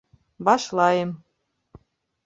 Башлайым.